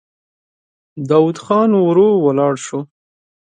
داوود خان ورو ولاړ شو.